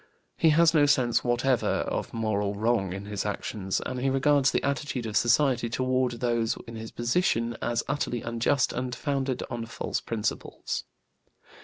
He has no sense whatever of moral wrong in his actions, and he regards the attitude of society toward those in his position as utterly unjust and founded on false principles.